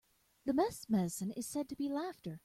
The best medicine is said to be laughter.